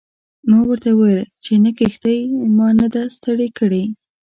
ما ورته وویل چې نه کښتۍ ما نه ده ستړې کړې.